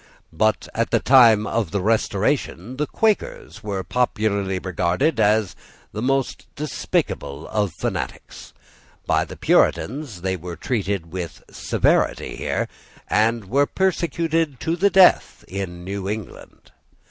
But at the time of the Restoration the Quakers were popularly regarded as the most despicable of fanatics. By the Puritans they were treated with severity here, and were persecuted to the death in New England.